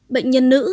bệnh nhân nữ